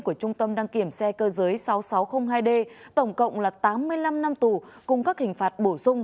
của trung tâm đăng kiểm xe cơ giới sáu nghìn sáu trăm linh hai d tổng cộng là tám mươi năm năm tù cùng các hình phạt bổ sung